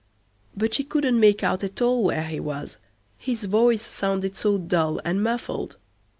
But she couldn't make out at all where he was, his voice sounded so dull, and muffled.